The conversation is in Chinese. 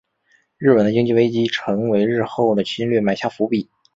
日本的经济危机成为日后的侵略埋下伏笔。